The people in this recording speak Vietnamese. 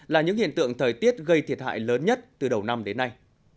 là những hiện tượng thời tiết gây thiệt hại lớn nhất từ đầu năm đến nay